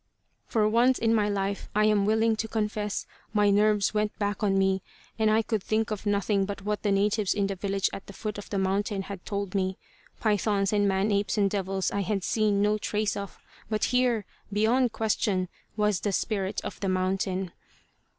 For once in my life, I am willing to confess, my nerves went back on me; and I could think of nothing but what the natives in the village at the foot of the mountain had told me. Pythons and man apes and devils I had seen no trace of, but here, beyond question, was the "Spirit of the Mountain."